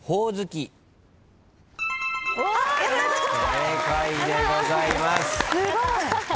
正解でございます。